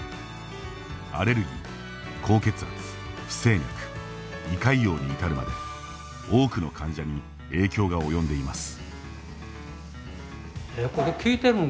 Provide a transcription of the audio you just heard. アレルギー、高血圧、不整脈胃潰瘍に至るまで、多くの患者に影響が及んでいます。